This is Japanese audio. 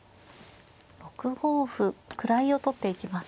６五歩位を取っていきました。